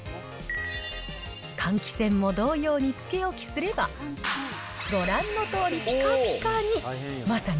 換気扇も同様につけ置きすれば、ご覧のとおりぴかぴかに。